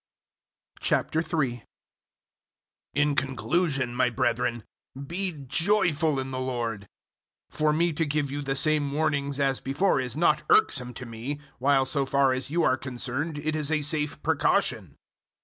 003:001 In conclusion, my brethren, be joyful in the Lord. For me to give you the same warnings as before is not irksome to me, while so far as you are concerned it is a safe precaution.